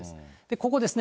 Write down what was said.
ここですね。